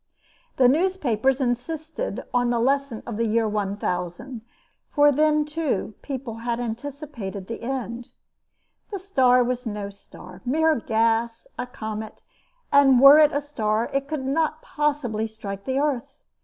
The newspapers insisted on the lesson of the year 1000 for then, too, people had anticipated the end. The star was no star mere gas a comet; and were it a star it could not possibly strike the earth.